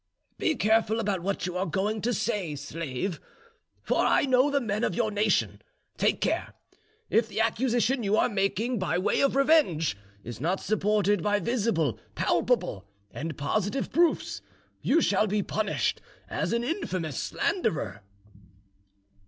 "Be very careful about what you are going to say, slave; for I know the men of your nation. Take care, if the accusation you are making by way of revenge is not supported by visible, palpable, and positive proofs, you shall be punished as an infamous slanderer."